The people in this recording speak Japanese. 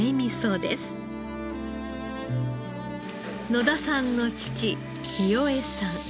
野田さんの父清衛さん。